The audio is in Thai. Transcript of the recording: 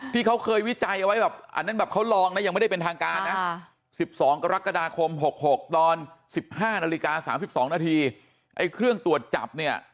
ที่เค้าเคยวิจัยเอาไว้อันนั้นแบบเค้าลองนะยังไม่ได้เป็นทางการ๑๒กรกฎาคม๖๖ตอน๑๕นาฬิกา๓๒นาที